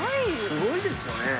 すごいですよね。